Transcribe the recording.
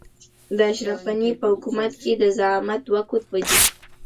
د اشرف غني په حکومت کې د زعامت دوه قطبه دي.